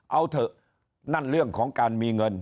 เอาเถอะนั่นเรื่องของการมีเงิน